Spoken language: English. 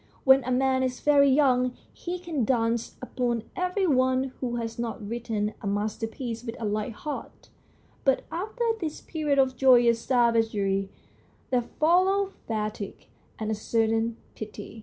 When a man is very young he can dance upon every one who has not written a masterpiece with a light heart, but after this period of joyous savagery there follows fatigue and a certain pity.